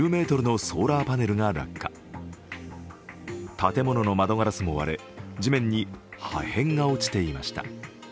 建物の窓ガラスも割れ地面に破片が落ちていました。